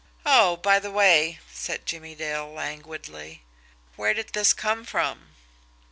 "Oh, by the way," said Jimmie Dale languidly, "where did this come from?"